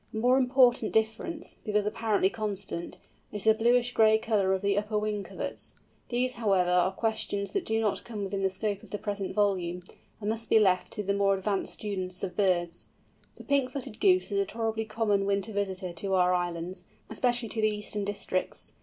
A more important difference, because apparently constant, is the bluish gray colour of the upper wing coverts. These, however, are questions that do not come within the scope of the present volume, and must be left to the more advanced students of birds. The Pink footed Goose is a tolerably common winter visitor to our islands, especially to the eastern districts.